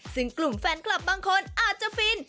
ซึ่งกลุ่มแฟนคลับบางคนอาจจะฟิน